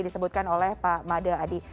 disebutkan oleh pak mada adi